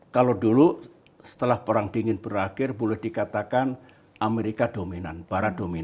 kalau dulu setelah perang dingin berakhir boleh dikatakan amerika dominan para dominan